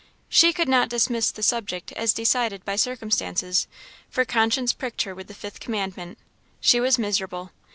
She could not dismiss the subject as decided by circumstances, for conscience pricked her with the fifth commandment. She was miserable.